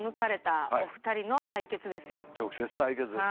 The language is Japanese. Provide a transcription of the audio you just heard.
直接対決です。